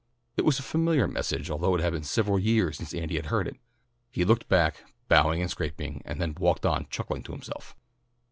It was a familiar message although it had been several years since Andy had heard it. He looked back bowing and scraping, and then walked on chuckling to himself.